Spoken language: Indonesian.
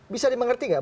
bisa dimengerti nggak